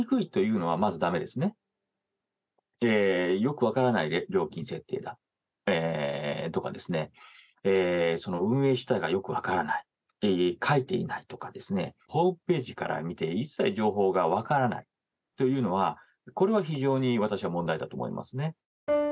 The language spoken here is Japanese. よく分からない料金設定とか運営主体がよく分からない書いていないとかホームページから見て一切情報が分からないというのは非常に私は問題だと思いますね。